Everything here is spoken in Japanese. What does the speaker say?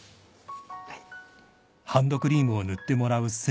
はい。